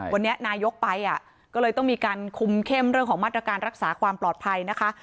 วันนี้นายกไปก็เลยต้องมีการคุมเข้มเรื่องของมาตรการรักษาความปลอดภัยนะคะ